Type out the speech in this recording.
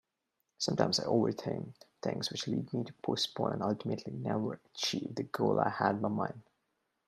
Sometimes I overthink things which leads me to postpone and ultimately never achieve the goal I had in mind.